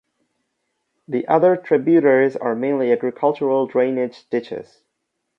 The other tributaries are mainly agricultural drainage ditches.